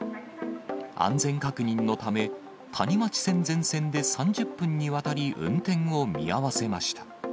安全確認のため、谷町線全線で３０分にわたり運転を見合わせました。